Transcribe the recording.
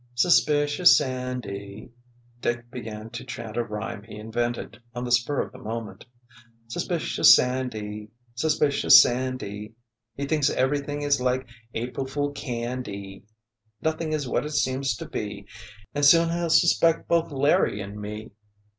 "Suspicious Sandy," Dick began to chant a rhyme he invented on the spur of the moment, "Suspicious Sandy, Suspicious Sandy, he thinks everything is like April Fool candy! Nothing is what it seems to be and soon he'll suspect both Larry and me!"